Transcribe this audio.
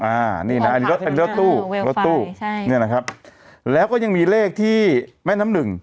อันนี้นะอันนี้ก็เป็นรถตู้รถตู้ใช่เนี่ยนะครับแล้วก็ยังมีเลขที่แม่น้ำหนึ่ง